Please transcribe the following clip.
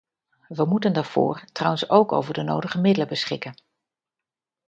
We moeten daarvoor trouwens ook over de nodige middelen beschikken.